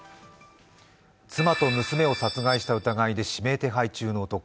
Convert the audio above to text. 妻と娘を殺害した疑いで指名手配中の男。